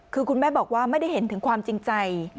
คือคุณแม่บอกว่าไม่ได้เห็นถึงความจริงใจ